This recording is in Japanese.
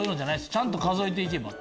ちゃんと数えて行けば。